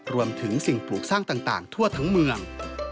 รวมถึงสิ่งปลูกสร้างต่างทั่วทั้งเมือง